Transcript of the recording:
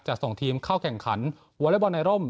ส่งทีมเข้าแข่งขันวอเล็กบอลในร่ม